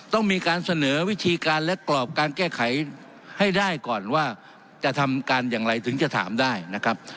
ต้องมีการเสนอวิธีการและกรอบการแก้ไขให้ได้ก่อนว่าจะทำการอย่างไรถึงจะถามได้นะครับ